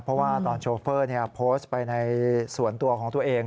เพราะว่าตอนโชเฟอร์โพสต์ไปในส่วนตัวของตัวเอง